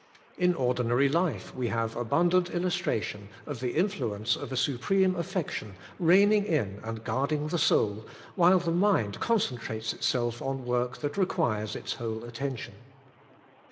In ordinary life, we have abundant illustration of the influence of a supreme affection reigning in and guarding the soul, while the mind concentrates itself on work that requires its whole attention.